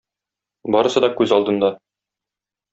Барысы да күз алдында.